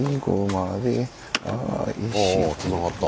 ああつながった。